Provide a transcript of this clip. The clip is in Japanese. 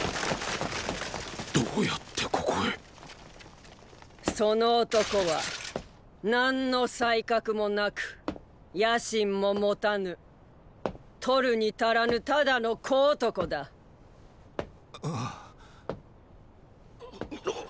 どうやってここへその男は何の才覚もなく野心も持たぬ取るに足らぬただの小男だ。っ！